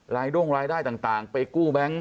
ด้งรายได้ต่างไปกู้แบงค์